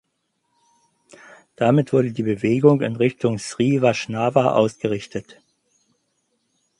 Damit wurde die Bewegung in Richtung Sri Vaishnava ausgerichtet.